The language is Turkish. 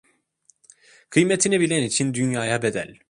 Kıymetini bilen için dünyaya bedel…